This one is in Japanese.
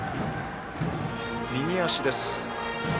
右足です。